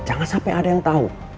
jangan sampai ada yang tahu